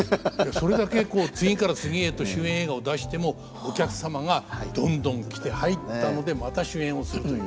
それだけこう次から次へと主演映画を出してもお客様がどんどん来て入ったのでまた主演をするという。